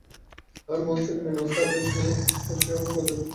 আমি মঞ্চ থেকে নেমে আসতেই আদেম গাশি আমার কবিতাটির আলবেনিয়ান অনুবাদ পড়ে শোনালেন।